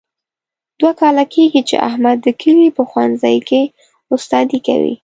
دوه کاله کېږي، چې احمد د کلي په ښوونځۍ کې استادي کوي.